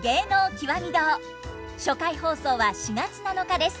初回放送は４月７日です。